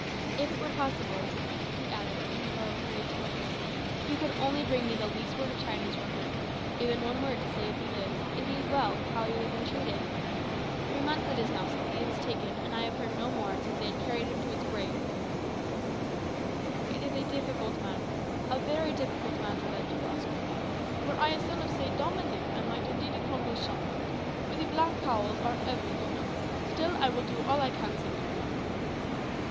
"If it were possible," he added, in low, hurried tones "if you could only bring me the least word of tidings from him even one word to say if he lives, if he is well, how he is entreated. Three months it is now since he was taken, and I have heard no more than if they had carried him to his grave." "It is a difficult matter, a very difficult matter that you ask of me. Were I a son of St. Dominic, I might indeed accomplish somewhat. For the black cowls are everything now. Still, I will do all I can, señor."